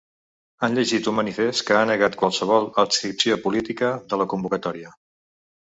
Han llegit un manifest que ha negat qualsevol adscripció política de la convocatòria.